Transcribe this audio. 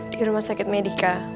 di rumah sakit medika